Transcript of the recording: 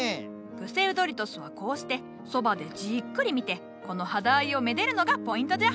プセウドリトスはこうしてそばでじっくり見てこの肌合いをめでるのがポイントじゃ。